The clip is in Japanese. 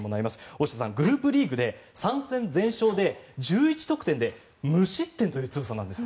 大下さんグループリーグで３戦全勝で１１得点で無失点という強さなんです。